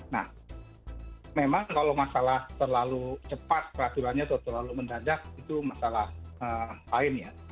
nah memang kalau masalah terlalu cepat peraturannya atau terlalu mendadak itu masalah lain ya